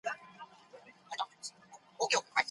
شوالیې ډېر زړور او جنګیالي وو.